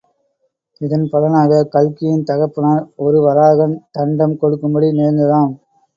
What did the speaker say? இதன் பலனாக கல்கியின் தகப்பனார் ஒருவராகன் தண்டம் கொடுக்கும்படி நேர்ந்ததாம்.